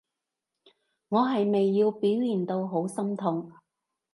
我係咪要表現到好心痛？